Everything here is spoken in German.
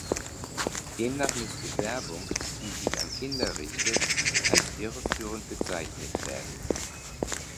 Demnach müsste Werbung, die sich an Kinder richtet, als irreführend bezeichnet werden.